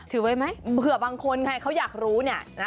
เผื่อบางคนเขาอยากรู้